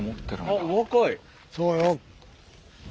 そうよ。